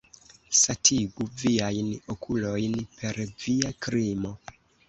Satigu viajn okulojn per via krimo.